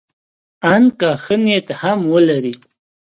ان که ښه نیت هم ولري.